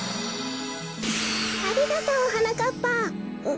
ありがとうはなかっぱ。